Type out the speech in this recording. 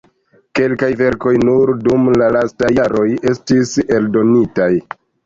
Kelkaj verkoj nur dum la lastaj jaroj estis eldonitaj.